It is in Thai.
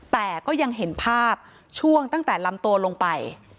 แต่ก็ยังเห็นภาพช่วงตั้งแต่ลำตัวลงไป